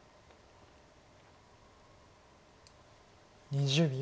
２０秒。